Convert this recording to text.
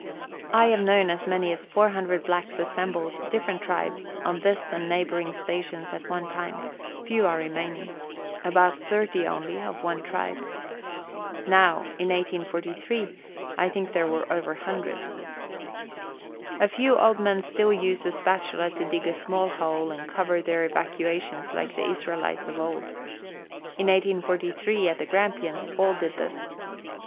I have known as many as 400 blacks assembled different tribes on this and neighbouring stations at one time ; few are remaining about 30 only of one tribe. Now, in 1843, I think there were over 100. A few old men still use a spatula to dig a small hole, and cover their evacuations like the Israelites of old. In 1843, at the Grampians, all did this.